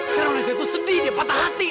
sekarang rizky itu sedih dia patah hati